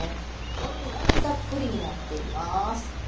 こんなにたっぷりになっています。